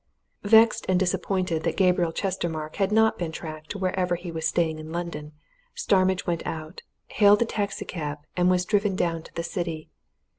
Vexed and disappointed that Gabriel Chestermarke had not been tracked to wherever he was staying in London, Starmidge went out, hailed a taxi cab, and was driven down to the city.